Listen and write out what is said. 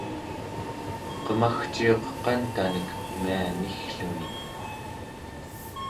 qemagciuq qantanek mianiggluni